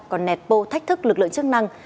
còn nẹt bô thách thức lực lượng chức năng